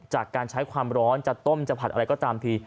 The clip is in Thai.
จากการใช้ความร้อนจะต้มจะผัดอะไรก็ตามที